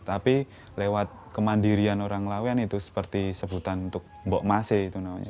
tapi lewat kemandirian orang laweyan itu seperti sebutan untuk bokmase itu namanya